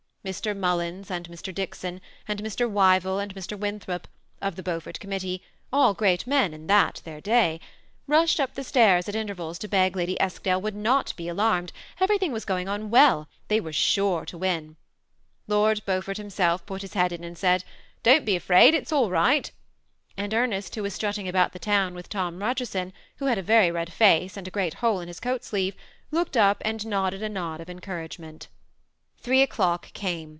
Mr. Mullins;^ and Mr. Dickson, and Mr. Wyvill and Mr. Winthrop, of the Beaufort committee, — all great men in that, their day, — rushed up the 268 THE SEBa^ATTACHED COUPLE. Stairs, at intervals, to beg Lady Eskdale ipooI^ not be alarmed, everything was gong on well, — tkej weiv sore to win. Lord Beanfort himself pat his head m and said, '^ Don't be afraid, all 's right ;" and Emea^ who was strutting about the town with Tom Rc^erson, who had a very red face and a great hole in hia coa^ sleeve, looked up and nodded a nod of encouragement. Three o'clock came.